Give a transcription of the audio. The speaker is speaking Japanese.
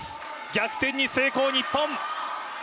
逆転に成功、日本。